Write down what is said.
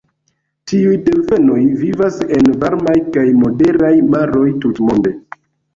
Tiuj delfenoj vivas en varmaj kaj moderaj maroj tutmonde.